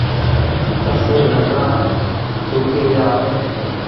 ڪسي لڪڙآ سوڪي يا آلي